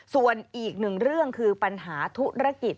ส่วนอีกหนึ่งเรื่องคือปัญหาธุรกิจ